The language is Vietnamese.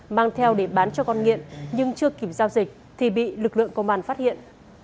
mang theo để bán cho con nghiện nhưng chưa kịp giao dịch thì bị lực lượng công an phát hiện